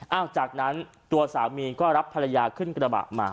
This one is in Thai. แล้วก็หนักนั้นตัวสามีก็รับภรรยาขึ้นกระบะมา